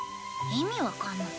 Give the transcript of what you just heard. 意味わかんない。